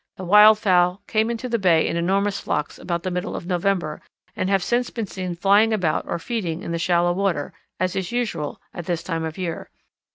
The wildfowl came into the bay in enormous flocks about the middle of November and have since been seen flying about or feeding in the shallow water, as is usual at this time of year.